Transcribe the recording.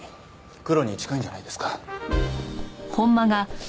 クロに近いんじゃないですか？